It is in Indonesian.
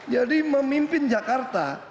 jadi memimpin jakarta